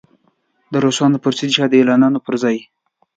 د روسانو پر ضد جهاد اعلانولو پر ځای.